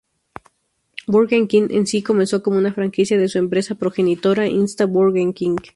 Burger King en sí comenzó como una franquicia de su empresa progenitora, Insta-Burger King.